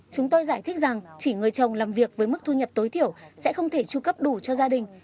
chúng tôi giải thích rằng chỉ người chồng làm việc với mức thu nhập tối thiểu sẽ không thể tru cấp đủ cho gia đình